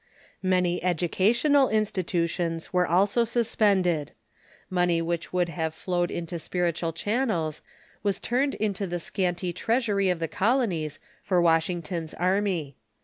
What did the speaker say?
Many educational institutions were also suspended. Money which would have flowed into spiritual channels was turned into the scanty treasury of the colonies for Washington's army.